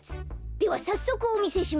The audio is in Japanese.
ではさっそくおみせしましょう。